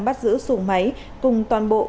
bắt giữ sùng máy cùng toàn bộ